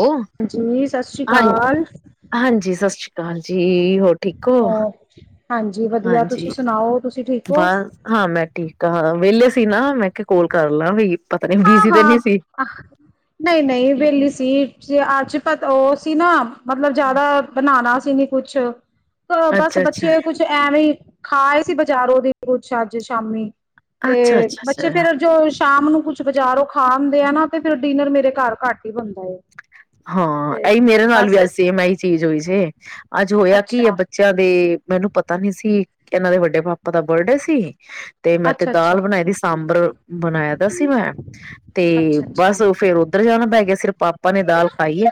ਓ ਹਾਂਜੀ ਸਤਿ ਸ਼੍ਰੀ ਅਕਾਲ। ਹਜੀ ਹੋ ਠੀਕ ਹੋ। ਹੋਰ ਹਾਂਜੀ ਵਧੀਆ ਹਾਂਜੀ ਤੁਸੀਂ ਸੁਣਾਓ ਤੁਸੀਂ ਠੀਕ ਹੋ ਬਸ ਹਾਂ ਮੈਂ ਠੀਕ ਆ ਹ ਹਾਂ ਵਿਹਲੇ ਸੀ। ਸੀ ਨਾ ਮੈਂ ਕਿਹਾ ਕਲ ਕਰ ਲਾਂ ਵੀ ਪਤਾ ਨੀ ਬਿਜੀ ਤੇ ਹਾਂ-ਹਾਂ ਨੀ ਸੀ ਨਹੀਂ-ਨਹੀਂ ਵੇਲੀ ਸੀ। ਜ ਪਤ ਓ ਸੀਨ ਮਤਲਬ ਜਿਆਦਾ ਬਣਾਉਣਾ ਕਿੰਨੀ ਕੁਛ ਥੋੜਾ ਬਸ ਅੱਛਾ ਅੱਛਾ ਬੱਚੇ ਕੁਛ ਐਵੇਂ ਹੀ ਖਾਏ ਸੀ ਬਜ਼ਾਰੋਂ ਦੀ ਕੁਛ ਅੱਜ ਸ਼ਾਮੀ। ਅੱਛਾ ਤੇ ਅੱਛਾ ਬੱਚੇ ਅੱਛਾ ਫੇਰ ਜੋ ਸ਼ਾਮ ਨੂੰ ਕੁ ਬਾਜ਼ਾਰੋ ਖਾ ਆਂਦੇ ਆ ਨਾ ਤੇ ਫੇਿਰ ਡਿਨਰ ਮੇਰੇ ਘਰ ਘੱਟ ਹੀ ਬਣਦਾ। ਤੇ ਹਾਂ ਇਹਈ ਮੇਰੇ ਨਾਲ ਬਸ ਵੀ ਸੇਮ ਆਈ ਚੀਜ਼ ਹੋਈ ਜੈ। ਅੱਜ ਹੋਇਆ ਕੀ ਹੈ ਅੱਛਾ ਬੱਚਿਆਂ ਦੇ ਮੈਨੂੰ ਪਤਾ ਨੀ ਸੀ ਇਹਨਾਂ ਦੇ ਵੱਡੇ ਪਾਪਾ ਦਾ ਬਰਡੇ ਸੀ। ਤੇ ਮੈਂ ਤੇ ਅੱਛਾ ਦਾਲ ਅੱਛਾ ਬਣਾਈ ਦੀ ਸਾਂਬਰ ਬਣਾਇਆ ਦਾ ਸੀ ਮੈਂ ਤੇ ਅੱਛਾ ਅੱਛਾ ਬਸ ਫੇਰ ਉੱਧਰ ਜਾਣਾ ਪੈ ਗਿਆ। ਸਿਰਫ ਪਾਪਾ ਪਾਣੀ ਦਾਲ ਖਾਈਏ,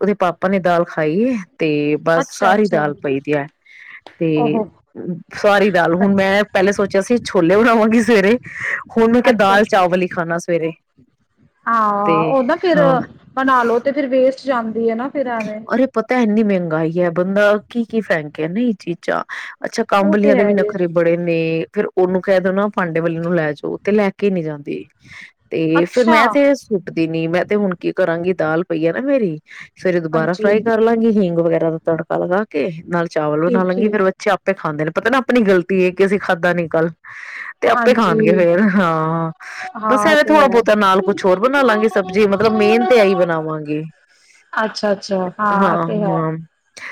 ਉਹਦੇ ਪਾਪਾ ਨੇ ਦਾਲ ਖਾਈ ਏ। ਤੇ ਬਸ ਅੱਛਾ ਸਾਰੀ ਅੱਛਾ ਦਾਲ ਪਈਦੀ ਹੈ। ਤੇ ਓਹੋ ਸਾਰੀ ਦਾਲ ਹੁਣ ਮੈਂ ਪਹਿਲੇ ਸੋਚਿਆ ਸੀ ਛੋਲੇ ਬਣਾਵਾਂਗੀ ਸਵੇਰੇ। ਹੁਣ ਮੈਂ ਕਿਹਾ ਅੱਛਾ ਦਾਲ ਅੱਛਾ ਚਾਵਲ ਹੀ ਖਾਣਾ ਸ ਸਵੇਰੇ ਤੇ ਹਾਂ ਉਹ ਨਾ ਫਿਰ ਹਾਂ ਬਣਾ ਲੋ ਤੇ ਫਿਰ ਵੇਸਟ ਜਾਂਦੀ ਹੈ ਨਾ। ਫਿਰ ਐਵੇਂ ਅਰੇ ਇਹ ਪਤਾ ਇਨੀ ਮਿਹਨਤ ਸਹੀ ਏ ਬੰਦਾ ਕੀ ਕੀ ਫੇਂਕੇ ਚੀਜ਼ਾਂ। ਅੱਛਾ ਉਹ ਕੰਬਲੀਆਂ ਤੇ ਦੇ ਹੈ ਵੀ ਹੀ ਨਖਰੇ ਬੜੇ ਨੇ, ਫੇਰ ਉਹਨੂੰ ਕਹਿ ਦਿਓ ਨਾ ਭਾਂਡੇ ਵੱਲ ਲੇ ਜਾਓ ਤੇ ਲੈ ਕੇ ਨੀ ਜਾਂਦੀ। ਤੇ ਫੇਿਰ ਅੱਛਾ ਮੈਂ ਤੇ ਸੁੂੱਟ ਨੀ ਮੈਂ ਤੇ ਹੁਣ ਕੀ ਕਰਾਂਗੀ ਦਾਲ ਪਈ ਆ ਨਾ ਮੇਰੀ ਸਵੇਰੇ ਦੁਬਾਰਾ ਹਾਂਜੀ ਫਰਾਈ ਕਰ ਲਾਂਗੀ ਹਿੰਗ ਵਗੈਰਾ ਦਾ ਤੜਕਾ ਲਗਾ ਕੇ ਨਾਲ ਚਾਵਲ ਬਣਾ ਠੀਕ ਲਾਂਗੇ ਠੀਕ ਫੇਰ ਬੱਚੇ ਆਪੇ ਖਾਂਦੇ ਨੇ ਪਤਾ ਨਾ ਆਪਣੀ ਗਲਤੀ ਹੈ, ਕਿ ਅਸੀਂ ਖਾਧਾਂ ਨਿ ਕਲ ਤੇ ਆਪੇ ਖਾਣਗੇ ਹਾਂਜੀ ਫੇਰ ਹਾਂ। ਬਸ ਹਾਂ ਇਹ ਐਵੇਂ ਤੇ ਥੋੜਾ ਹੈ ਬਹੁਤਾ ਨਾਲ ਕੁਛ ਹੋਰ ਬਣਾ ਲਾਂਗੇ ਸਬਜ਼ੀ, ਮਤਲਬ ਮੇਨ ਤੇ ਆ ਹੀ ਬਣਾਵਾਂਗੇ। ਅੱਛਾ-ਅੱਛਾ। ਹਾਂ ਤੇ ਹੈ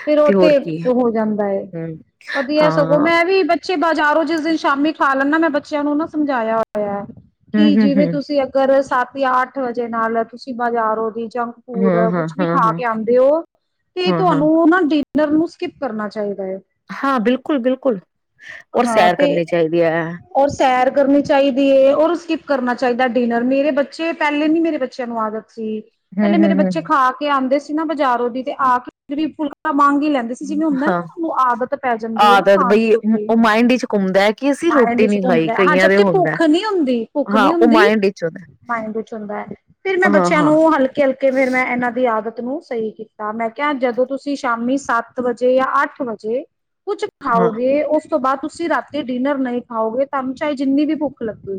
ਫੇਿਰ ਉਹ ਹੋਰ ਤੇ ਕੀ ਹੋ ਜਾਂਦਾ ਹਮ ਵਧੀਆ ਸਗੋਂ ਹਾਂ ਮੈਂ ਵੀ ਬਚ ਬੱਚੇ ਬਾਜ਼ਾਰੋਂ ਜਿਸ ਦਿਨ ਸ਼ਾਮੀ ਖਾ ਲੈਦਾ ਮੈਂ ਬੱਚਿਆਂ ਨੂੰ ਨਾ ਸਮਝਾਇਆ ਹੋਇਆ ਏ। ਕਿ ਹਮ ਹਮ ਜਿਵੇਂ ਤੁਸੀਂ ਅਗਰ ਸ਼ਾਮੀਂ ਅੱਠ ਵਜੇ ਨਾਲ ਤੁਸੀਂ ਬਾਜ਼ਾਰੋ ਦੀ ਜੰਕ ਫੂਡ ਹਮ ਹਾਂ ਹਾਂ ਕੁਛ ਵੀ ਹਾਂ ਖਾ ਹਾਂ ਕੇ ਆਉਂਦੇ ਹੋ ਤੇ ਹਾਂ ਹਾਂ ਤੁਹਾਨੂੰ ਨਾ ਡਿਨਰ ਨੂੰ ਸਕਿਪ ਕਰਨਾ ਚਾਹੀਦਾ। ਹੈ। ਹਾਂ ਬਿਲਕੁਲ ਬਿਲਕੁਲ। ਔਰ ਹਾਂ ਸੈਰ ਤੇ ਕਰਨੀ ਚਾਹੀਦੀ ਐ। ਔਰ ਸੈਰ ਕਰਨੀ ਚਾਹੀਦੀ ਹੈ ਔਰ ਸਕਿਪ ਕਰਨਾ ਚਾਹੀਦਾ ਡਿਨਰ ਮੇਰੇ ਬੱਚੇ ਪਹਿਲੇ ਨੀ ਮੇਰੇ ਬੱਚਿਆਂ ਨੂੰ ਆਦਤ- ਸੀ। ਪਹਿਲੇ ਹਮ ਮੇਰੇ ਹਮ ਬੱਚੇ ਹਮ ਖਾ ਕੇ ਆਂਦੇ ਸੀ। ਕੇ ਬਾਜ਼ਾਰੋਂ ਦੀ ਤੇ ਆ ਕੇ ਫ਼ਿਰ ਵੀ ਫੁਲਕਾ- ਮੰਗ ਹੀ ਲੈਂਦੇ ਸੀ ਜਿਵੇਂ ਹੁੰਦਾ ਨਾ ਹਾਂ ਸਾਨੂੰ ਆਦਤ ਪੈ ਜਾਂਦੀ ਹੈ ਨਾ ਆਦਤ ਖਾਣ ਦੀ ਬਈ ਰੋ- ਉਹ ਮਾਇੰਡ ਵਿੱਚ ਘੁੰਮਦਾ ਹੈ ਕਿ ਅਸੀਂ ਮਾਇਡ ਰੋਟੀ ਵਿੱਚ ਨੀ ਖਾਈ ਘੁੰਮਦਾ ਐ ਕਈਆਂ ਜਬ ਦੇ ਤੱਕ ਹੁੰਦਾ। ਭੁੱਖ ਨੀ ਹੁੰਦੀ ਭੁੱਖ ਹਾਂ ਨੀ ਉਹ ਹੁੰਦੀ, ਮਾਇੰਡ ਵਿੱਚ ਹੁੰਦਾ ਮਾਇੰਡ ਵਿੱਚ ਹੁੰਦਾ। ਫ਼ਿਰ ਮੈਂ ਹਾਂ ਬੱਚਿਆਂ ਹਾਂ ਨੂੰ ਹਲਕੇ ਹਲਕੇ ਫਿਰ ਮੈਂ ਇਹਨਾਂ ਦੀਆਂ- ਆਦਤ ਨੂੰ ਸਹੀ ਕੀਤਾ। ਮੈਂ ਕਿਹਾ ਜਦੋਂ ਤੁਸੀਂ ਸ਼ਾਮੀ ਸੱਤ ਵਜੇ ਜਾਂ ਅੱਠ ਵਜੇ- ਕੁਛ ਹਾਂ। ਖਾਓਗੇ ਉਸ- ਉਸ ਤੋਂ ਬਾਅਦ ਤੁਸੀਂ ਰਾਤੀ ਡਿਨਰ ਨਹੀਂ ਖਾਓਗੇ, ਤੁਹਾਨੂੰ ਚਾਹੇ ਜਿੰਨੀ ਵੀ ਭੁੱਖ ਲੱਗੇ।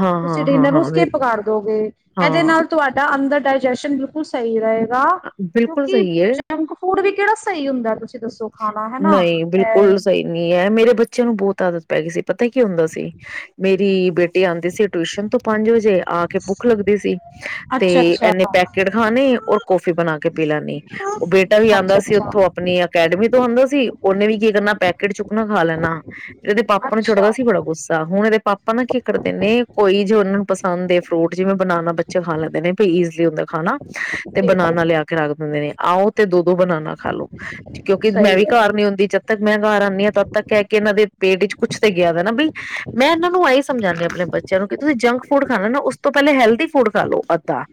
ਹਾਂ ਤੁਸੀਂ ਹਾਂ ਹਾਂ ਡਿਨਰ ਨੂੰ ਹਾਂ ਬਿਲਕੁਲ ਸਕਿਪ ਕਰ ਦੋਗੇ। ਇਹਦੇ ਹਾਂ ਨਾਲ ਤੁਹਾਡਾ ਅੰਦਰ- ਡਾਇਜੈਸ਼ਨ ਬਿਲਕੁਲ ਸਹੀ ਰਹੇ। [unintelligible] ਬਿਲਕੁਲ ਕਿਉਂਕਿ ਸਹੀ ਹੈ। ਜੰਕ ਫੂਡ ਵੀ ਕਿਹੜਾ ਸਹੀ ਹੁੰਦਾ ਤੁਸੀਂ ਦੱਸੋ ਖਾਣਾ ਹੈਨਾ ਐ। ਬੱਚਿਆਂ ਨੂੰ ਬਹੁਤ ਆਦਤ ਪੈ ਗਈ ਸੀ ਪਤਾ ਕੀ ਹੁੰਦਾ ਸੀ, ਮੇਰੀ ਬੇਟੀੇ ਆਉਂਦੇ ਸੀ ਟਿਊਸ਼ਨ ਤੋਂ ਪੰਜ ਵਜੇ- ਆ ਕੇ ਭੁੱਖ ਲੱਗਦੀ ਸੀ ਤੇ ਅੱਛਾ ਅੱਛਾ ਇਹਨੇ ਪੈਕੇਟ ਖਾਣੇ ਔਰ- ਕੋਫੀ ਬਣਾ ਕੇ ਪੀ ਲੈਂਨੀ, ਉਹ ਬੇਟਾ ਵੀ ਅੱਛਾ ਆਂਦਾ ਸੀ ਉੱਥੋਂ ਅੱਛਾ ਆਪਣੀ ਅਕੈਡਮੀ ਤੋਂ ਆਂਦਾ ਸੀ। ਉਹਨੇ ਵੀ ਕੀ ਕਰਨਾ ਪੈਕੇਟ ਚੁੱਕਣਾ ਖਾ ਲੈਨਾ। ਇਹਦੇ ਪਾਪਾ ਨੂੰ ਚੜਦਾ ਅੱਛਾ ਸੀ ਬੜਾ ਗੁੱਸਾ, ਹੁਣ ਇਹਦੇ- ਪਾਪਾ ਨਾ ਕੀ ਕਰਦੇ ਨੇ ਕੋਈ ਜੇ ਉਹਨਾਂ ਨੂੰ ਪਸੰਦ ਏ ਫਰੂਟ ਜਿਵੇਂ ਬਨਾਨਾ ਬੱਚੇ ਖਾ ਲੈਂਦੇ ਨੇ ਭੀ ਈਜਲੀ ਹੁੰਦਾ ਖਾਣਾ। ਤੇ ਠੀਕ ਬਨਾਨਾ ਹੈ ਲਿਆ ਕੇ ਰੱਖ ਦਿੰਦੇ ਨੇ। ਆਉ ਤੇ ਦੋ- ਦੋ ਬਨਾਨਾ ਖਾ ਲੋ ਕਿਉਂਕਿ ਸਹੀ ਮੈਂ ਵੀ ਹੈ ਘਰ ਨੀ ਹੁੰਦੀ ਜ- ਤਦ ਮੈਂ ਘਰ ਆਨੀ ਆ ਤਦ ਤੱਕ ਐਹ ਕੇ ਇਹਨਾਂ ਦੇ ਪੇਟ ਚ ਕੁਛ ਤੇ ਗਿਆ ਤਾਂ ਨਾ ਬਈ, ਮੈਂ ਇਹਨਾਂ ਨੂੰ ਆਹੀ ਸਮਝਾਉਂਦੀ ਆਪਣੇ ਬੱਚਿਆਂ ਨੂੰ ਕਿ ਤੁਸੀਂ ਜੰਕ ਫੂਡ ਖਾਣਾ ਨਾ ਉਸ ਤੋਂ ਪਹਿਲੇ ਹੈਲਦੀ ਫੂਡ ਖਾ ਲਓ ਅੱਧਾ।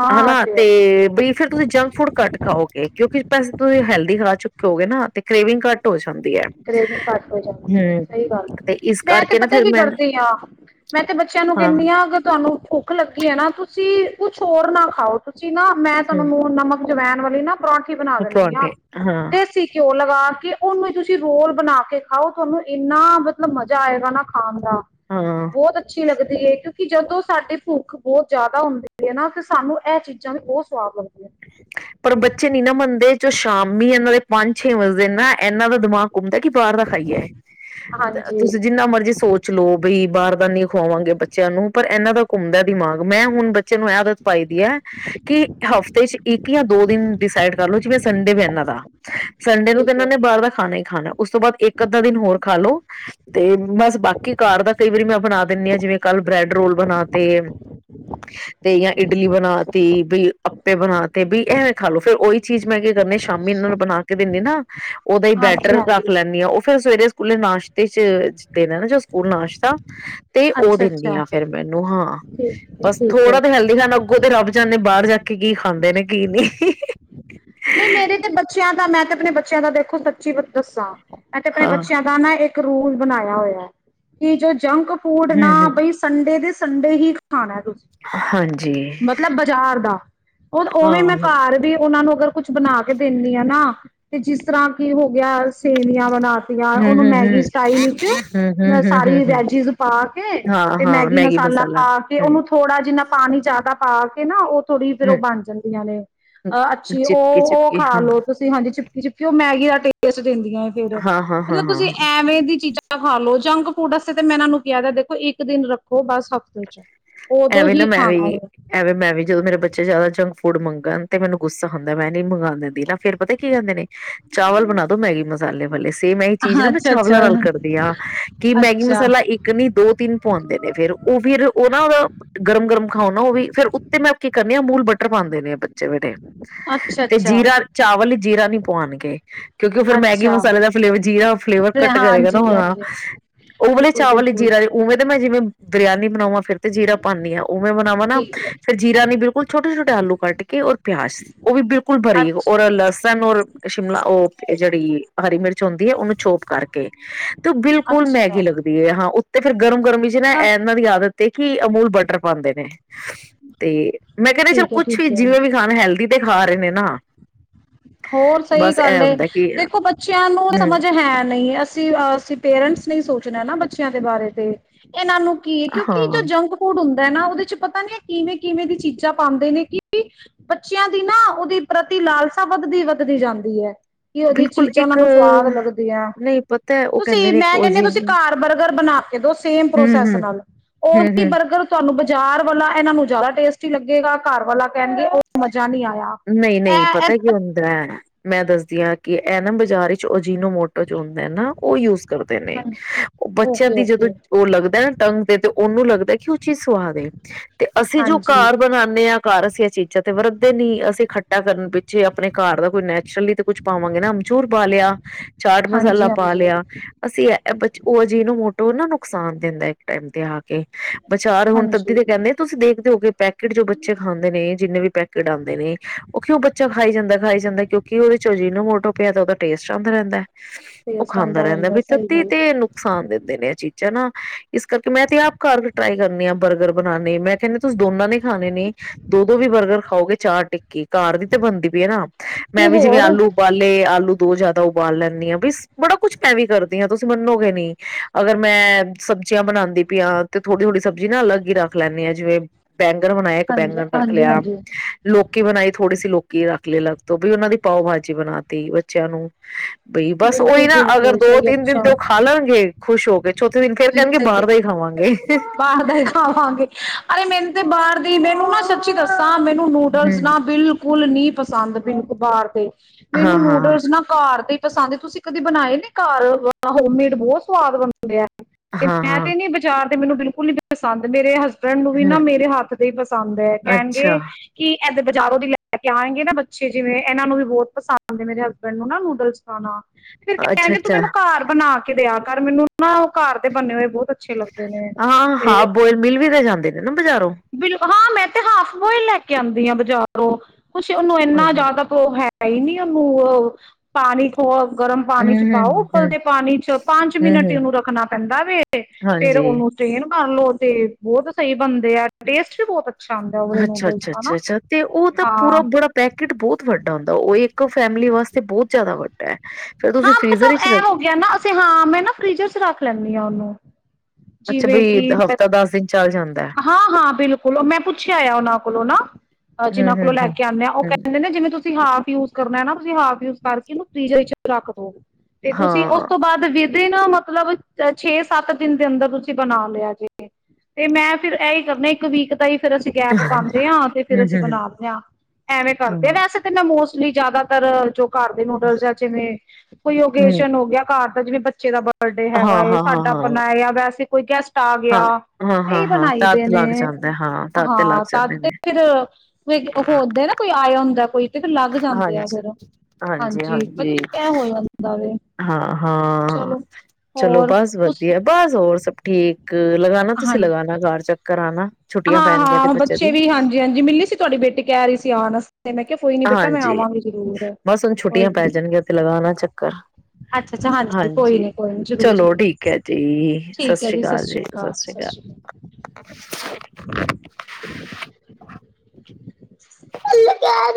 ਹਾਂ ਹਨਾ ਅੱਜ। ਤੇ ਬਈ ਫੇਰ ਤੁਸੀਂ ਜੰਕ ਫੂਡ ਘੱਟ ਖਾਓਗੇ ਕਿਉਂਕਿ- ਬਸ ਤੁਸੀਂ ਹੈਲਦੀ ਖਾ ਚੁੱਕੇ ਹੋਵੋਗੇ ਨਾ ਤੇ ਕਰੇਵਿੰਗ ਘੱਟ ਹੋ ਸਕਦੀ- ਕਰੇਵਿੰਗ ਘੱਟ ਹੋ ਜਾਂਦੀ ਐ। ਸਹੀ ਗੱਲ ਐ। ਤੇ ਇਸ ਮੈਂ ਤੇ ਕਰਕੇ ਨਾ ਪਤਾ ਫਿਰ ਕੀ ਮੈਂ ਕਰਦੀ ਆ ਮੈਂ ਤੇ ਬੱਚਿਆਂ ਨੂੰ ਹਾਂ ਕਹਿਨੀ ਆ ਕੇ ਤੁਹਾਨੂੰ ਭੁੱਖ ਲੱਗੀ ਹੈ ਨਾ ਤੂੰ- ਤੁਸੀਂ ਕੁਛ ਹੋਰ ਨਾ ਖਾਓ ਤੁਸੀਂ- ਤੁਸੀ ਨਾ ਮੈਂ ਤੁਹਾਨੂੰ ਹਮ ਨੂੰਨ ਨਮਕ- ਜਵੈਣ ਵਾਲੀ ਨਾ ਪਰੌਂਠੀ- ਪਰੌਂਠੇ ਬਣਾ ਦਿੰਨੀ ਆ ਪਰੌਂਠੇ ਹਾਂ ਦੇਸੀ ਘਿਓ ਲਗਾ ਕੇ ਕੇ ਉਹਨੂੰ ਹੀ ਤੁਸੀਂ- ਤੁਸੀਂ ਰੋਲ ਬਣਾ ਕੇ ਖਾਓ ਤੁਹਾਨੂੰ ਇੰਨਾ ਮਤਲਬ ਮਜ਼ਾ ਆਏਗਾ ਨਾ ਖਾਣ- ਹਾਂ ਹਾਂ ਬਹੁਤ ਅੱਛੀ ਲੱਗਦੀ ਤੇ ਕਿਉਂਕਿ ਜਦੋਂ ਸਾਡੇ ਭੁੱਖ ਬਹੁਤ ਜ਼ਿਆਦਾ ਹੁੰਦੀ ਹੈ ਨਾ ਤੇ ਸਾਨੂੰ ਇਹ ਚੀਜ਼ਾਂ ਵੀ ਬਹੁਤ ਸਵਾਦ ਲੱਗਦੀਆਂ ਪਰ ਬੱਚੇ ਨੀ ਨਾ ਮੰਨਦੇ ਜੋ ਸ਼ਾਮੀ ਇਹਨਾਂ ਦੇ ਪੰਜ ਛੇ ਵਜਦੇ ਨਾ ਇਹਨਾਂ ਦਾ ਦਿਮਾਗ ਘੁੰਮਦਾ ਕਿ ਬਾਹਰ ਦਾ ਖਾਈਏਏ ਹਾਂਜੀ ਤੁਸੀਂ ਜਿੰਨਾ ਮਰਜੀੀ ਸੋਚ ਲੋਓ ਬਈ ਬਾਹਰ ਦਾ ਨੀ ਖਵਾਵਾਂਗੇ ਬੱਚਿਆਂ ਨੂੰ ਪਰ ਇਹਨਾਂ ਦਾ ਘੁੰਮਦਾ ਦਿਮਾਗ ਮੈਂ ਹੁਣ ਬੱਚੇ ਨੂੰ ਇਹ ਆਦਤ ਪਾਈ ਦੀ ਹੈ ਕਿ ਹਫ਼ਤੇ ਚ ਕਿ ਆ ਦੋ ਦਿਨ ਡਿਸਾਈਡ ਕਰਲੋ ਜਿਵੇਂ ਸੰਡੇ ਵੀ ਇਹਨਾਂ ਦਾ ਸੰਡੇ ਨੂੰ ਤੇ ਠੀਕ ਇਹਨਾਂ ਹੈ ਨੇ ਬਾਹਰ ਦਾ ਖਾਣਾ ਹੀ ਖਾਣਾ ਉਸ ਤੋਂ ਬਾਅਦ ਇੱਕ ਅੱਧਾ ਦਿਨ ਹੋਰ ਖਾ ਲੋ ਤੇ ਬਸ ਬਾਕੀ ਕਾਰ ਦਾ ਕਈ ਵਾਰੀ ਮੈਂ ਬਣਾ ਦਿੰਦੀ ਹਾਂ ਜਿਵੇਂ ਕੱਲ ਬ੍ਰੈਡ ਰੋਲ ਬਣਾ ਤੇ ਤੇ ਜਾਂ ਇਡਲੀ ਠੀਕ ਹੈ ਬਣਾ ਤ ਬਈ ਆਪੇ ਬਣਾ ਤ ਤੇ ਵੀ ਐਵੇਂ ਖਾ ਲੋ ਫੇਿਰ ਉਹੀ ਚੀਜ਼ ਮੈਂ ਕਿਹਾ ਕਰਨੇ ਸ਼ਾਮੀ ਇਹਨਾਂ ਨੂੰ ਬਣਾ ਕੇ ਦਿੰਦੇ ਨਾ ਅੱਛਾ ਉਹਦਾ ਹੀ ਬੈਟਰ ਰੱਖ ਹਾਂਜੀ-ਹਾਂਜੀ, ਲੈਂਦੀ ਆ ਉਹ ਫੇਿਰ ਸਵੇਰੇ ਸਕੂਲੇ ਨਾਸ਼ਤੇ ਚ ਦੇਣਾ ਨਾ ਜੋ ਸਕੂਲ ਨਾਸ਼ਤਾ ਤੇ ਉਹ ਦਿੰਦੀ ਅੱਛਾ-ਅੱਛਾ, ਹਾਂ ਫੇਿਰ ਮੈਨੂੰ ਹਾਂ ਠੀਕ ਐ, ਬਸ ਠੀਕ ਐ। ਥੋੜਾ ਤਾਂ ਹੈਲਦੀ ਖਾ ਅੱਗੋਂ ਤੇ ਰੱਬ ਜਾਂਦੇ ਬਾਹਰ ਜਾ ਕੇ ਕੀ ਖਾਂਦੇ ਨੇ ਕੀ ਨਹੀਂੀ ਨਹੀਂ ਮੇਰੇ ਤੇ ਬੱਚੇ ਬੱਚਿਆਂ ਦਾ ਮੈਂ ਤੇ ਆਪਣੇ ਬੱਚਿਆਂ ਦਾ ਦੇਖੋ ਸੱਚੀ ਦੱਸਾਂ ਅਤੇ ਆਪਣੇ ਹਾਂ ਬੱਚਿਆਂ ਦਾ ਨਾ ਇੱਕ ਇੱਕ ਰੂਲ ਬਣਾਇਆ ਹੋਇਆ ਕਿ ਜੋ ਜੰਕ ਫੂਡ ਨਾ ਹਮ ਬਈ ਸੰਡੇ ਦੇ ਸੰਡੇ ਹੀ ਖਾਣਾ ਤੁਸੀਂ ਹਾਂਜੀ ਮਤਲਬ ਬਾਜ਼ਾਰ ਦਾ ਉਹ ਹਾਂ ਉਵੇਂ ਹਾਂ ਮੈਂ ਘਰ ਵੀ ਉਹਨਾਂ ਨੂੰ ਅਗਰ ਕੁਛ ਬਣਾ ਕੇ ਦਿੰਦੀ ਹਾਂ ਨਾ ਤੇ ਜਿਸ ਤਰ੍ਹਾਂ ਕੀ ਹੋ ਗਿਆ ਸੇਵੀਆਂ ਬਣਾਤੀਆਂ ਉਹਨੂੰ ਮੈਗੀ ਸਟਾਈਲ ਵਿੱਚ ਸਾਰੀ ਵੈਜਿਸ ਪਾ ਕੇ ਤੇ ਮੈਗੀ ਮਸਾਲਾ ਪਾ ਕੇ ਉਹਨੂੰ ਥੋੜਾ ਜਿੰਨਾ ਪਾਣੀ ਜਿਆਦਾ ਪਾ ਕੇ ਨਾ ਥੋੜ੍ਹੀ ਫੇਿਰ ਉਹ ਬਣ ਜਾਂਦੀਆਂ ਨੇ ਅਹ ਅੱਛਾ ਉਹ ਉਹ ਖਾ ਲੋ ਤੁਸੀਂ ਹਾਂਜੀ ਚੁਪੀ ਚਿੱਪੀ ਉਹ ਮੈਗੀ ਦਾ ਟੇਸਟ ਦਿੰਦੀਆਂ ਫੇਿਰ ਮਤਲਬ ਤੁਸੀਂ ਐਵੇਂ ਦੀ ਚੀਜ਼ਾਂ ਖਾ ਲਓ ਜੰਕ ਫੂਡਤੇ ਤੇ ਮੈਂ ਇਹ ਨੂੰ ਕਿਹਾਦ ਹੈ ਦੇਖੋ ਇੱਕ ਦਿਨ ਰੱਖੋ ਬਸ ਹਫ਼ਤੇ ਚ ਉਦੋਂ ਐਵੇਂ ਨਾ ਹੀ ਮੈਂ ਖਾਣਾ ਵੀ ਹੈ ਐਵੇਂ ਮੈਂ ਵੀ ਜਦੋਂ ਮੇਰੇ ਬੱਚੇ ਜ਼ਿਆਦਾ ਜੰ ਫੂਡ ਮੰਗਣ ਤੇ ਮੈਨੂੰ ਗੁੱਸਾ ਹੁੰਦਾ ਮੈਂ ਨ ਮੰਗਵਾ ਦਿੰਦੀ ਨਾ ਫ਼ੇ ਪਤਾ ਕੀ ਕਹਿੰਦੇ ਨੇ ਚਾਵਲ ਬਣਾ ਦੋ ਮੈਗੀ ਮਸਾਲੇ ਵਾਲੇ ਸੇਮ ਇਹੀ ਚੀਜ਼ ਹਾਂ ਨਾ ਮੈਂ ਅੱਛਾ-ਅੱਛਾ, ਚਾਵਲਾਂ ਨਾਲ ਕਰਦੀ ਹਾਂ ਕਿ ਮੈਗੀ ਅੱਛਾ, ਮਸਾਲਾ ਇੱਕ ਨੀ ਦੋ ਤਿੰਨ ਪਾਉਂਦੇ ਨੇ ਫੇਿਰ ਉਹ ਫਿਰ ਉਹ ਨਾ ਉਹਦਾ ਗਰਮ ਗਰਮ ਖਾਉ ਨਾ ਉਹ ਵੀ ਫੇਿਰ ਉੱਤੇ ਮੈਂ ਕੀ ਕਰਨੀ ਆ ਮੂਲ ਬਟਰ ਪਾਉਂਦੇ ਨੇ ਆ ਬੱਚੇ ਵੇਟੇ ਅੱਛਾ-ਅੱਛਾ, ਤੇ ਅੱਛਾ ਅੱਛਾ ਜੀਰਾ ਚਾਵਲ ਹੀ ਜੀਰਾ ਨਹੀਂੀ ਪਆਉਣਗੇ ਕਿਉਂਕਿ ਉਹ ਫਿਰ ਮੈਗੀ ਅੱਛਾ ਮਸਾਲੇ ਦਾ ਫਲੇ ਜੀਰਾ ਫਲੇਵਰ ਤੇ ਘੱਟ ਕਰੇਗਾ ਤਾਂ ਹ ਹਾਂਜੀ-ਹਾਂਜੀ ਉਹ ਵਾਲਲੇ ਚਾਵਲ ਬਿਲਕੁਲ-ਬਿਲਕੁਲ ਜੀਰਾ ਉਵੇਂ ਤੇ ਮੈਂ ਜਿਵੇਂ ਬਰਿਆਨੀ ਬਣਾਵਾਂ ਫਿਰ ਤੇ ਜੀਰਾ ਪਾਉਂਦੀ ਆ ਉਹ ਮੈਂ ਬਣਾਵਾਾਂ ਨਾ ਠੀਕ ਐ। ਫੇਿਰ ਜੀਰਾ ਨ ਬਿਲਕੁਲ ਛੋਟੇ ਛੋਟੇ ਆਲੂ ਕੱਟ ਕੇ ਔਰ ਪਿਆਜ ਉਹ ਵੀ ਬਿਲਕੁਲ ਭਰੀਏ ਅੱਛ ਰ ਲਸਣ ਔਰ ਸ਼ਿਮਲਾ ਉਹ ਜਿਹੜੀ ਹਰੀ ਮਿਰਚ ਹੁੰਦੀ ਹੈ ਉਹਨੂੰ ਛੋਪ ਕਰਕੇ ਤੇ ਬਿਲਕੁਲ ਅੱਛਾ, ਮੈਗੀ ਲੱਗਦੀ ਹੈ ਹਾਂ ਤੇ ਫਿਰ ਗਰਮ ਗਰਮੀ ਚ ਨਾ ਅੱਛਾ ਇਹ ਇਹਨਾਂ ਦੀ ਆਦਤ ਕੀ ਅਮੂਲ ਬਟਰ ਪਾਾਂਉਂਦੇ ਨੇ ਤੇ ਮੈਂ ਕਹਿੰਦੇ ਚਲ ਠੀਕ ਐ ਕੁਛ ਵੀ ਠੀਕ ਐ। ਜਿਵੇਂ ਵੀ ਖਾਣਾ ਹੈਲਦੀ ਤੇ ਖਾ ਰਹੇ ਨੇ ਨਾ ਹੋਰ ਸਹੀ ਬਸ ਇਹ ਗੱਲ ਏ ਹੁੰਦਾ ਕਿ ਦੇਖੋ ਬੱਚਿਆਂ ਨੂੰ ਹਮ ਸਮਝ ਹੈ ਨਹੀਂ ਅਸੀਂ ਅ ਅਸੀਂ ਪੇਰੈਂਟਸ ਨੇ ਸੋਚਣਾ ਨਾ ਬੱਚਿਆਂ ਦੇ ਬਾਰੇ ਤੇ ਇਹਨਾਂ ਨੂੰ ਕੀ ਕਿਉਂਕਿ ਜੋ ਹਾਂ ਜੰਕ ਫੂਡ ਹੁੰਦਾ ਨਾ ਉਹਦੇ ਚ ਪਤਾ ਨੀ ਹੈ ਕਿਵੇਂ ਕਿਵੇਂ ਦੀ ਚੀਜ਼ਾਂ ਪਾਉਂਦੇ ਨੇ ਕਿ ਬੱਚਿਆਂ ਦੀ ਨਾ ਉਹਦੇ ਪ੍ਰਤੀ ਲਾਲ ਤਾਂ ਵੱਧਦੀ ਵੱਧਦੀ ਜਾਂਦੀ ਹੈ ਕਿ ਉਹਦੀ ਬਿਲਕੁਲ ਚੀਜ਼ਾਂ ਉਹ ਇੱਕ ਨੂੰ ਸਵਾਦ ਲੱਗਦੀਆਂ ਨਹੀਂ ਪਤਾ ਉਹ ਕਹਿੰਦੇ ਤੁਸੀਂ ਨੇ ਮੈਂ ਉਹ ਕਹਿੰਨੀ ਜੀ ਤੁਸੀਂ ਘਰ ਬਰਗਰ ਬਣਾ ਕੇ ਦੋ ਸੇਮ ਪ੍ਰੋਸੈਸ ਹੂੰ-ਹੂੰ, ਨਾਲ ਉਹੀ ਹੂੰ-ਹੂੰ ਬਰਗਰ ਤੁਹਾਨੂੰ ਜਾਰ ਵਾਲਾ ਇਹਨਾਂ ਨੂੰ ਜ਼ਿਆਦਾ ਟੇਸਟੀ ਲੱਗੇਗਾ ਘਰ ਵਾਲਾ ਕਹਿਣਗੇ ਉਹ ਨਹੀਂੀ ਆਇਆ ਨਹੀਂ-ਨਹੀਂ ਇਹ ਪਤਾ ਹੁੰਦਾ ਮੈਂ ਦੱਸ ਕਿ ਐਨਮ ਬਾਜ਼ਾਰ ਵਿੱਚ ਜਿਨੂੰ ਮੋਟਰ ਚ ਹੁੰਦਾ ਨਾ ਉਹ ਯੂਜ ਕਰਦੇ ਨੇ ਹਾਂਜੀ ਉਹ ਬੱਚਿਆਂ ਓਕੇ ਦੀ ਜਦੋਂ ਓਕੇ ਉਹ ਲੱਗਦਾ ਨਾ ਟੰਗ ਤੇ ਤੇ ਉਹਨੂੰ ਲੱਗਦਾ ਕਿ ਉਹ ਚੀਜ਼ ਸੁਵਾ ਦੇ ਤੇ ਅਸੀਂ ਜੋ ਹਾਂਜੀ ਘਰ ਬਣਾਦੇ ਹਾਂ ਕਾਰਰ ਸੀ ਚੀਜ਼ਾਂ ਤੇ ਵਰਦੇ ਨੀ ਇਕੱਟਾ ਕਰਨ ਪਿੱਛੇ ਆਪਣੇ ਘਰ ਦਾ ਕੋਈ ਨੈਚੁਰਲੀ ਕੁਛ ਪਾਵਾਂਗੇ ਨਾ ਅਮਚੂਰ ਪਾ ਲਿਆ ਚਾਟ ਹਾਂਜੀ ਮਸਾਲਾ ਪਾ ਹਾਂਜੀ ਲਿਆ ਅਸੀਂ ਬ ਉਹ ਅਜਿਨੂੰ ਮੋਟੋ ਨਾ ਨੁਕਸਾਨ ਦਿੰਦਾ ਇੱਕ ਟਾਈਮ ਤੇ ਆ ਵਿਚਾਰ ਹੁਣ ਤੱਦੀ ਹਾਂਜੀ ਤੇ ਕਹਿੰਦੇ ਤੁਸੀਂ ਦੇਖਦੇ ਹੋਗੇ ਪੈਕੇਟ ਜੋ ਬੱਚੇ ਖਾਂਦੇ ਨੇ ਜਿੰਨੇ ਵੀ ਪੈਕੇਟ ਆਉਂਦੇ ਨੇ ਉਹ ਕਿ ਉਹ ਬੱਚਾ ਖਾਈ ਜਾਂਦਾ ਖਾਈ ਜਾਂਦਾ ਕਿਉਂਕਿ ਉਹਦੇ ਚੋਂ ਜਿਹਨੂੰ ਮੋਟੋ ਪਿਆ ਤਾਂ ਉਹਦਾ ਟੇਸਟ ਆਉਦਾ ਰਹਿੰਦਾ ਹੈ ਉਹ ਟੇਸਟ ਖਾਂਦਾ ਆਉਂਦਾ ਰਹਿੰਦਾ ਬ ਸਹੀ ਤੱਧ ਗੱਲ ਤੇ ਨੁਕਸਾਨ ਦਿੰਦੇ ਨੇ ਇਹ ਚੀਜ਼ਾਂ ਚ ਨਾ ਇਸ ਕਰਕੇ ਮੈਂ ਤੇ ਆਪ ਘਰ ਟਰਾਈ ਕਰਨੀੇ ਆ ਬਰਗਰ ਬਣਾਣੇ ਮੈਂ ਕਹਿੰਦੀ ਤੁਸੀ ਦੋਨਾਂ ਨੇ ਖਾਣੇ ਨੇ ਦੋ ਦੋ ਵੀ ਬਰਗਰ ਖਾਓਗੇ ਚਾਰ ਟ ਕੀ ਕਾਰ ਦੀ ਤੇ ਬਣਦੀ ਪਈ ਹੈ ਨਾ ਤੇ ਮੈਂ ਵੀ ਜਿਵੇਂ ਹੋਰ ਆਲੂ ਉਬਾਲੇ ਆਲੂ ਦੋ ਜ਼ਿਆਦਾ ਉਬਾਲ ਲੈਂਦੀ ਹਾਂ ਬ ਬੜਾ ਕੁਛ ਮੈਂ ਵੀ ਕਰਦੀ ਹਾਂ ਤੁਸੀਂ ਮੰਨੋਗੇ ਨਹੀਂੀ ਅਗਰ ਮੈਂ ਸਬਜ਼ੀਆਂ ਬਣਾਉਦੀ ਪ ਆ ਤੇ ਥੋੜ੍ਹੀ ਥੋੜ੍ਹੀ ਸਬਜ਼ੀ ਨਾ ਅਲਗ ਹੀ ਰੱਖ ਲੈਂਦੇ ਆਾਂ ਜਿਵੇਂ ਬੈਂਗਨ ਬਣਾਇਆ ਇੱਕ ਹਾਂਜੀ ਬੈਂਗਣ ਰੱਖ ਹਾਂਜੀ ਲਿਆ ਹਾਂਜੀ ਲੋਕ ਕੀ ਬਣਾਈ ਥੋੜੇ ਸੀ ਲੋਕੀ ਰੱਖ ਲੱਗ ਤੋਂ ਬ ਵੀ ਉਹਨਾਂ ਦੀ ਪਾਓ ਭਾਜੀ ਬਣਾ ਤੀ ਬੱਚਿਆਂ ਨੂੰ ਬਈ ਬਸ ਉਹੀ ਬਿਲਕੁਲ ਨਾ ਅਗਰ ਬਿਲਕੁਲ ਦੋ ਸਹੀ ਤਿੰਨ ਦਿਨ ਅੱਛਾ ਤੇ ਉਹ ਖਾ ਲਣਗੇ ਖੁਸ਼ ਹੋ ਕੇ ਚੌਥੇ ਦਿਨ ਫਰ ਕਹਿਣਗੇ ਬਾਹਰ ਹੀ ਖਾਵਗੇ ਇਹ ਬਾਰ ਦੇ ਖਾਵਾਂਗੇ ਅਰੇ ਮੈਨੂੰ ਬਾਹਰ ਦੀ ਮੈਨੂੰ ਨਾ ਸੱਚੀ ਦੱਸ ਤਾਂ ਮੈਨੂੰ ਨੂਡਲਸ ਨਾ ਬਿਲਕੁਲ ਨੀ ਪ ਪਸੰਦ ਬਿੰਨ ਕੁਬਾਰ ਤੇ ਹਮ ਹਾਂ ਮੈਨੂੰ ਹਾਂ ਨੂਡਲਸ ਨਾ ਘਰ ਤੇ ਤਾਂ ਸਾਂ ਤੁਸੀਂ ਕਦੇ ਬਣਾਏ ਨ ਘਰ ਹੋਮਮੇਡ ਬਹੁਤ ਸਵਾਦ ਬਣਦੇ ਤੇ ਹਾਂ ਮੈਂ ਹਾਂ ਤੇ ਨੀ ਵਿਚਾਰ ਮੈਨੂੰ ਬਿਲਕੁਲ ਨੀ ਪੰਦ ਮੇਰੇ ਹਸ ਹਸਬੈਂਡ ਨੂੰ ਵੀ ਹਮ ਨਾ ਮੇਰੇ ਹੱਥ ਤੇ ਪਸੰਦ ਹੈ ਅੱਛਾ ਕਹਿਣਗੇ ਕਿ ਇ ਬਾਜ਼ਾਰੋਂ ਦੀ ਲੈ ਕੇ ਆਂਗੇ ਨਾ ਬੱਚੇ ਜਿਵੇਂ ਇਹਨਾਂ ਨੂੰ ਵੀ ਬਹੁਤ ਪਸੰਦ ਨੇ ਮੇਰੇ ਹਸਬੈਂਡ ਨੂੰ ਨਾ ਨੂਡਲਸ ਖਾਣਾ ਤੇ ਫਿਰ ਅੱਛਾ ਕਹਿਣਗੇ ਤੂੰ ਅੱਛਾ ਮੈਨੂੰ ਘਰ ਬਣਾ ਕੇ ਦਿਆਂ ਮੈਨੂੰ ਨਾ ਉਹ ਘਰ ਦੇ ਬੰਨੇ ਹੋਏ ਬਹੁਤ ਅੱਛੇ ਲੱਗਦੇ ਨੇ ਹਾਂ ਹਾਂ ਤੇ ਬੋਇਲ ਮਲ ਵੀ ਤਾਂ ਜਾਂਦੇ ਨੇ ਨਾ ਬਜ਼ਾਰੋਂ ਬਿਲ ਹਾਂ ਮੈਂ ਤੇ ਹਾਫ ਬੋਇਲ ਲੈ ਕੇ ਆਉਂਦੀ ਹਾਂ ਬਜ਼ਾਰੋਂ ਕੁੱਛ ਉਹਨੂੰ ਇੰਨਾ ਹਾਂਜੀ ਜ਼ਿਆਦਾ ਭਰੋ ਹੈ ਕਈ ਨ ਆ ਮੂੰਹ ਪਾਣੀ ਥੋ ਗਰਮ ਪਾਣੀ ਚ ਹਮ ਪਾਓ ਹਮ ਉਪਲ ਹਮ ਦੇ ਪਾਣੀ ਚ ਪੰਜ ਹਮ ਮਿੰਟ ਹਮ ਇਹਨੂੰ ਰੱਖਣਾ ਪੈਂਦਾ ਵੇ ਹਾਂਜੀ ਉਹਨੂੰੱ ਬਣ ਲਓ ਤੇ ਬਹੁਤ ਸਹੀ ਬਣਦੇ ਆ ਟੇਸਟ ਵੀ ਬਹੁਤ ਅ ਅੱਛਾ ਅੱਛਾ ਅੱਛਾ ਅਛਾ ਤੇ ਉਹ ਤਾਂ ਹਾਂ ਪੂਰਾ ਬੜਰਾ ਪੈਕੇਟ ਬਹੁਤ ਵੱਡਾ ਵੱਡਾ ਹੁੰਦਾ ਉਹ ਇੱਕ ਫੈਮਿਲੀ ਵਾਸਤੇ ਬਹੁਤ ਜਿਆਦਾ ਵੱਡਾ ਹੈ ਫੇਰ ਤੁਸੀਂ ਫ੍ਰੀਜ਼ਰ ਹਾਂਲ ਵਿੱਚ ਐ ਰੱਖ ਹੋ ਗਿਆ ਨਾ ਅਸੀਂ ਹਾਂ ਮੈਂ ਨਾ ਫ੍ਰਿਜਰ ਚ ਰੱਖ ਲੈਂਦੀ ਹਾਂ ਉਹਨੂੰ ਅੱਛਾ ਬਈ ਹਫ਼ਤਾ ਦਸ ਦਿਨ ਚੱਲ ਜਾਂਦਾ ਹੈ। ਹਾਂ ਹਾਂ ਬਿਲਕੁਲ ਉਹ ਮੈਂ ਪੁੱਛਿਆ ਆ ਉਹਨਾਂ ਕੋਲੋਂ ਨਾ ਜਿਹਨਾਂ ਹਮ ਕੋਲੋਂ ਹਮ ਲੈ ਹਮ ਕੇ ਆਉਂਦੇ ਆ ਉਹ ਹਮ ਕਹਿੰਦੇ ਨੇ ਜਿਵੇਂ ਤੁਸੀਂ ਤੁਸੀਂ ਹਾਫ ਯੂਜ ਕਰਨਾ ਨਾ ਤੁਸੀਂ ਹਾਫ ਯੂਜ ਕਰਕੇ ਇਹਨੂੰ ਫ੍ਰਿਜ ਵਿੱਚ ਰੱਖ ਦੋ ਤੇ ਤੁਸੀਂ ਉਸ ਹਾਂ ਤੋਂ ਬਾਅਦ ਦਿ ਨਾ ਮਤਲਬ ਛੇ ਸੱਤ ਦਿਨ ਦੇ ਅੰਦਰ ਤੁਸੀਂ ਬਣਾ ਲਿਆ ਜੇ ਤੇ ਮੈਂ ਫਿਰ ਇਹੀ ਕਰਨਾ ਇੱਕ ਵੀਕ ਤਾਂ ਹੀ ਫੇਰ ਅਸੀਂ ਗੈਪ ਪਾਉਂਦੇ ਹਾਂ ਤੇ ਫੇਰ ਹਮ ਅਸੀਂ ਹਮ ਬਣਾਦੇ ਹਾਂ ਐਵੇਂ ਕਰਦੇ ਹਾਂ ਵੈਸੇ ਤਾਂ ਮੌੋਸਮ ਜਿਆਦਾਤਰ ਜੋ ਘਰ ਦੇ ਨੂਡਲ ਜਾਂ ਜਿਵੇਂ ਕੋਈ ਹੂੰ, ਓਕੇਜਨ ਹੋ ਗਿਆ ਘਰ ਜਿਵੇਂ ਬੱਚੇ ਦਾ ਬਡੇ ਹੈਗਾ ਹਾਂ, ਏ ਹਾਂ, ਹਾਂ, ਸਾਡਾ ਹਾਂ, ਹਾਂ। ਪਨਾ ਹੈ ਵੈਸੇ ਕੋਈ ਗੈਸਟ ਆ ਗਿਆ ਹਾਂ, ਹਾਂ, ਸਹੀ ਹਾਂ ਬਣਾਈ ਦੇ ਤੱਤ ਨੇ ਲੱਗ ਜਾਂਦਾ ਹਾਂ ਤੱਤ ਤੇ ਲੱਗ ਹਾਂ ਜਾਂਦੇ ਤਦ ਨੇ ਫਿਰ ਹੁੰਦੇ ਨਾ ਕੋਈ ਆਏ ਹ ਜਾਂ ਕੋਈ ਤੇ ਫਿਰ ਲੱਗ ਜਾਂਦੇ ਆ ਹਾਂਜੀ ਫਿਰ ਹਾਂਜੀ ਹਾਂਜੀ ਬੱਚੇ ਹੋ ਜਾਂਦਾ ਵੇ ਹਾਂ ਹਾਂ ਚਲੋ ਚਲੋ ਹੋਰ ਬਸ ਤੁ ਵਧੀਆ ਬਸ ਹੋਰ ਸਭ ਠੀਕ ਲਗਾ ਤੁਸੀਂ ਹਾਂਜੀ ਲਗਾਉਣਾ ਕਾਰ ਚੱਕਰ ਆਨਾ ਹਾਂ ਹਾਂ ਬੱਚੇ ਵੀ ਹਾਂਜੀ ਹਾਂਜੀ ਮਿਲੀ ਸੀ ਤੁਹਾਡੀ ਬੇਟੀ ਕਹਿ ਰਹੀ ਸੀ ਆਉਣ ਵਾਸਤੇ ਮੈਂ ਕਿਹਾ ਕੋਈ ਨੀ ਬੇਟਾ ਮੈਂ ਹਾਂਜੀ ਆਵਾਂਗੀ ਜ਼ਰੂਰ ਬਸ ਹੁਣ ਕੋਈ ਛੁੱਟੀਆਂ ਪੈ ਨੀ ਜਾਣਗੀਆਂ ਤੇ ਲਗਾਣਾ ਚੱਕਰ ਅੱਛਾ ਅੱਛਾ ਕੋਈ ਹਾਂਜੀ ਨੀ ਕੋਈ ਨੀ ਜ਼ਰੂਰ ਚਲੋ ਜ਼ਰੂਰ ਠੀਕ ਹੈ ਜੀ ਸਤਿ ਠੀਕ ਹੈ ਸ੍ਰੀ ਅਕਾਲ ਸ਼੍ਰੀ ਜੀ ਸਤਿ ਅਕਾਲ ਸ੍ਰੀ ਸ਼੍ਰੀ ਅਕਾਲ [unintelligible]